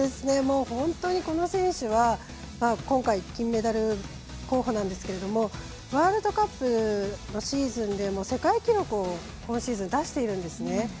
本当にこの選手は今回金メダル候補なんですけどワールドカップのシーズンで世界記録を今シーズン出してるんですね。